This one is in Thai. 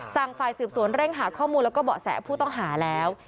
ฝ่ายสืบสวนเร่งหาข้อมูลแล้วก็เบาะแสผู้ต้องหาแล้ว